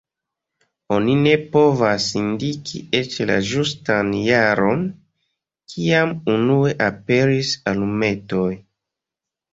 Oni ne povas indiki eĉ la ĝustan jaron, kiam unue aperis alumetoj.